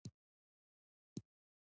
زه د وطن خدمت کوم.